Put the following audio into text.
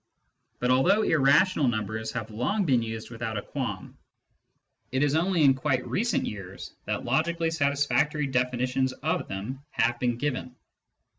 But although irrational numbers have long been used without a qualm, it is only in quite recent years that logically satisfactory definitions of them have been given.